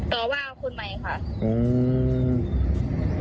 ต่อว่าคนใหม่ค่ะอืม